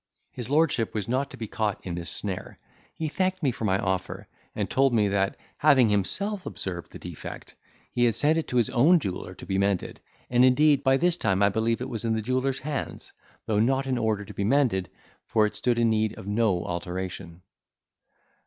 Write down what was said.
His lordship was not to be caught in this snare; he thanked me for my offer, and told me, that, having himself observed the defect, he had sent it to his own jeweller to be mended; and, indeed, by this time I believe it was in the jeweller's hands, though not in order to be mended, for it stood in need of no alteration.